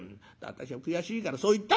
「私も悔しいからそう言ったんですよ。